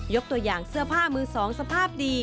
ตัวอย่างเสื้อผ้ามือสองสภาพดี